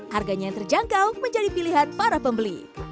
harganya yang terjangkau menjadi pilihan para pembeli